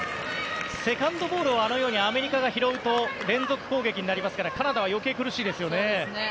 セカンドボールをアメリカが拾うと連続攻撃になりますからカナダは余計苦しいですよね。